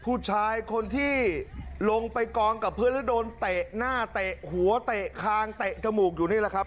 ผู้ชายคนที่ลงไปกองกับพื้นแล้วโดนเตะหน้าเตะหัวเตะคางเตะจมูกอยู่นี่แหละครับ